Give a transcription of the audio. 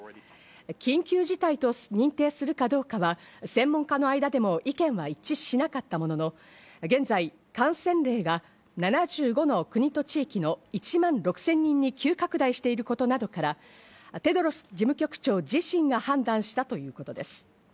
緊急事態と認定するかどうかは、専門家の間でも意見は一致しなかったものの、現在、感染例が７５の国と地域の１万６０００人に急拡大していることなどから、テドロス事務局長自身が判断したということです。